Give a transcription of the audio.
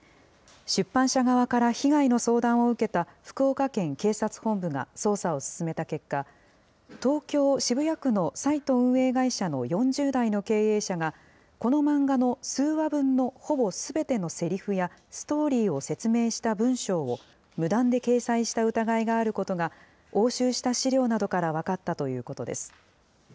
出版社側から被害の相談を受けた福岡県警察本部が捜査を進めた結果、東京・渋谷区のサイト運営会社の４０代の経営者が、この漫画の数話分のほぼすべてのせりふや、ストーリーを説明した文章を、無断で掲載した疑いがあることが、押収した資料などから分かったということです。